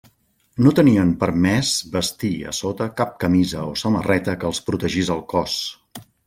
No tenien permès vestir a sota cap camisa o samarreta que els protegís el cos.